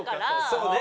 そうね。